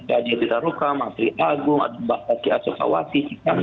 mbak adi adi taruka mbak tri agung mbak taki asokawati